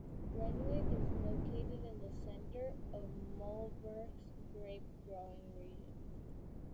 Renwick is located in the centre of Marlborough's grape growing region.